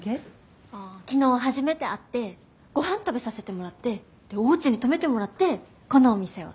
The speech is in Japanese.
昨日初めて会ってごはん食べさせてもらってでおうちに泊めてもらってこのお店を。